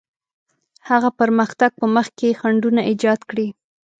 هغه پرمختګ په مخ کې خنډونه ایجاد کړي.